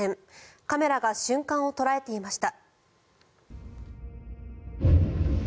カメラが瞬間を捉えていました。